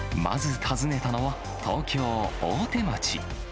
まず訪ねたのは東京・大手町。